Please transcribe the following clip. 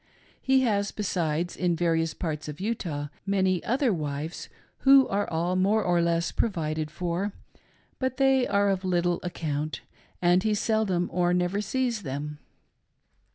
He has besides in various parts of Utah many other wives, who are all more or less provided for, but they are of little account, and he seldom or never sees them.